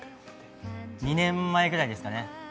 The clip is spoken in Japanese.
２年前ぐらいですかね